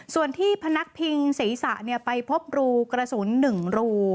ส่วนที่พนักพิงศีรษะไปพบรูกระสุน๑รู